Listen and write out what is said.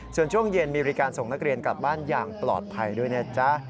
ส่วนช่วงเย็นมีบริการส่งนักเรียนกลับบ้านอย่างปลอดภัยด้วยนะจ๊ะ